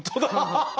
ハハハハ！